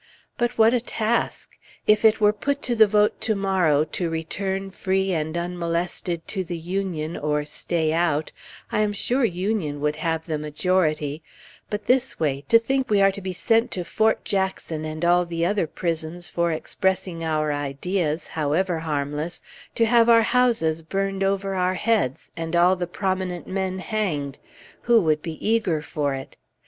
But what a task! If it were put to the vote to morrow to return free and unmolested to the Union, or stay out, I am sure Union would have the majority; but this way, to think we are to be sent to Fort Jackson and all the other prisons for expressing our ideas, however harmless, to have our houses burned over our heads, and all the prominent men hanged, who would be eager for it?